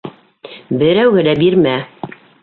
Берәүгә лә бирмә.